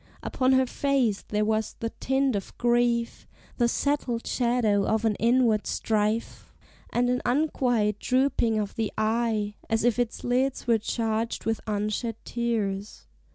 Upon her face there was the tint of grief, The settled shadow of an inward strife, And an unquiet drooping of the eye, As if its lids were charged with unshed tears.